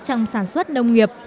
trong sản xuất nông nghiệp